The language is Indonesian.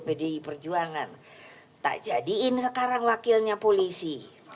pdi perjuangan tak jadiin sekarang wakilnya polisi